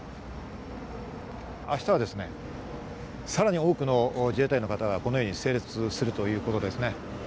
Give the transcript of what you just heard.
明日はですね、さらに多くの自衛隊の方がこのように整列するということです。